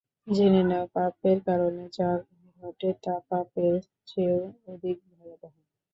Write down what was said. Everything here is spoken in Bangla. জেনে নাও, পাপের কারণে যা ঘটে তা পাপের চেয়েও অধিক ভয়াবহ।